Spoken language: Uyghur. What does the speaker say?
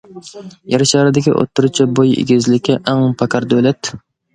يەر شارىدىكى ئوتتۇرىچە بوي ئېگىزلىكى ئەڭ پاكار دۆلەت.